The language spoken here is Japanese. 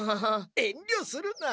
えんりょするな！